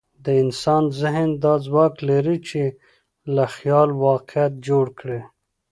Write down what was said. د انسان ذهن دا ځواک لري، چې له خیال واقعیت جوړ کړي.